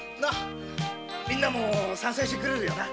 みんなも賛成してくれるよな！？